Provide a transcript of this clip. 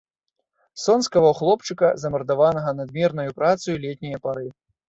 Сон скаваў хлопчыка, замардаванага надмернаю працаю летняе пары.